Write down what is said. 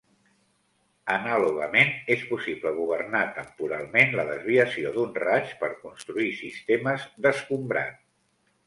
Anàlogament és possible governar temporalment la desviació d'un raig per construir sistemes d'escombrat.